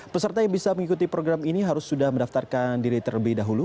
peserta yang bisa mengikuti program ini harus sudah mendaftarkan diri terlebih dahulu